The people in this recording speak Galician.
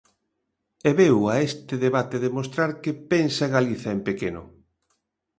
E veu a este debate demostrar que pensa Galiza en pequeno.